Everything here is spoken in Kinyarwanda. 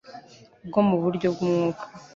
bwo mu buryo bw umwuka